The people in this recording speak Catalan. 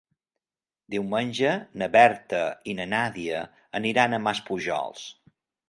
Diumenge na Berta i na Nàdia aniran a Maspujols.